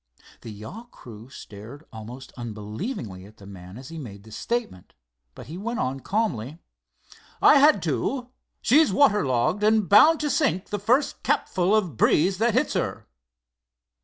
The yawl crew stared almost unbelievingly at the man as he made this statement, but he went on calmly: "I had to. She's water logged, and bound to sink the first capful of breeze that hits her."